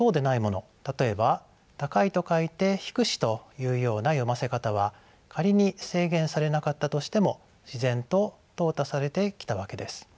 例えば「高」と書いて「ひくし」というような読ませ方は仮に制限されなかったとしても自然ととう汰されてきたわけです。